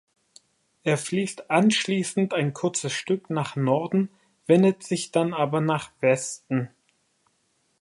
Er fließt anschließend ein kurzes Stück nach Norden, wendet sich dann aber nach Westen.